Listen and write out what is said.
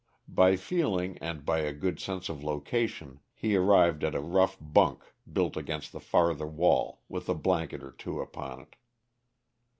By feeling, and by a good sense of location, he arrived at a rough bunk built against the farther wall, with a blanket or two upon it.